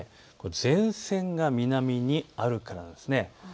前線が南にあるからなんです。